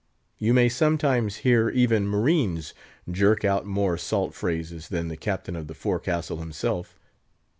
You may sometimes hear even marines jerk out more salt phrases than the Captain of the Forecastle himself.